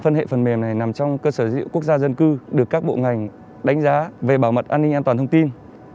phân hệ phần mềm này nằm trong cơ sở dữ liệu quốc gia dân cư được các bộ ngành đánh giá về bảo mật an ninh an toàn thông tin